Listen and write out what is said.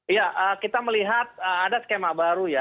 iya kita melihat ada skema baru ya